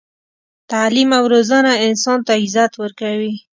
تعلیم او روزنه انسان ته عزت ورکوي.